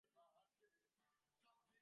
অবশ্য তাঁহারা ইহা প্রমাণ করিতে পারেন না।